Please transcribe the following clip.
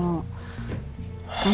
kamu punya penyakit jantung